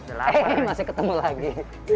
eh masih ketemu lagi